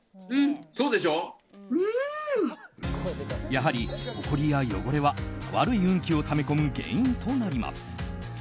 やはり、ほこりや汚れは悪い運気をため込む原因となります。